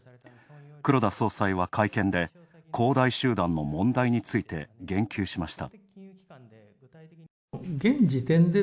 黒田総裁は会見で恒大集団の問題について言及しました。